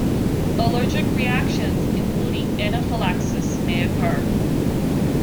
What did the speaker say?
Allergic reactions, including anaphylaxis, may occur.